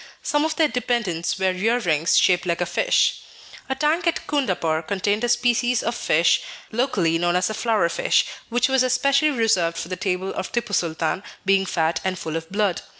Some of their dependents wear ear rings shaped like a fish." A tank at Coondapoor contained a species of fish locally known as the flower fish, which was especially reserved for the table of Tipu Sultan, being fat and full of blood.